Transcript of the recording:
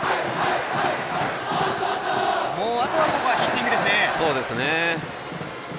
もうあとはここはヒッティングですね。